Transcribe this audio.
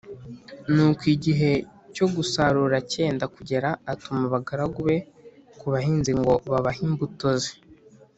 nuko igihe cyo gusarura cyenda kugera, atuma abagaragu be ku bahinzi ngo babahe imbuto ze